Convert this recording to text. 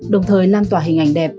đồng thời lan tỏa hình ảnh đẹp